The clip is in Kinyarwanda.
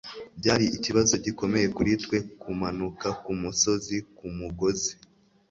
byari ikibazo gikomeye kuri twe kumanuka kumusozi kumugozi